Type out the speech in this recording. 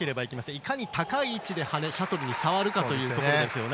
いかに高い位置でシャトルに触るかというところ。